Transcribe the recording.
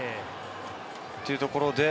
というところで。